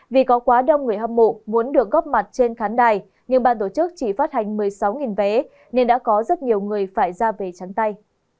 vì có quá đông người hâm mộ muốn được góp mặt trên khán đài nhưng ban tổ chức chỉ phát hành một mươi sáu vé nên đã có rất nhiều người phải ra về trắng tay